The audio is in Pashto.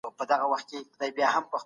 اورېدل تر لیکلو د لږ ستړیا سبب ګرځي.